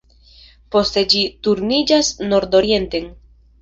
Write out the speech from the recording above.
Poste ĝi turniĝas nordorienten.